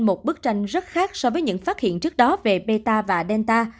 một bức tranh rất khác so với những phát hiện trước đó về meta và delta